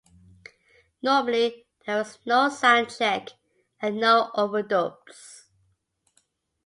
Normally there was no soundcheck and no overdubs.